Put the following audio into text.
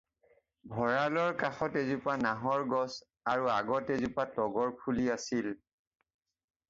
ভঁড়ালৰ কাষত এজোপা নাহৰ গছ আৰু আগত এজোপা তগৰ ফুলি আছিল।